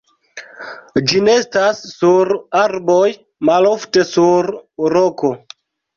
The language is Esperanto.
Ĝi nestas sur arboj, malofte sur roko.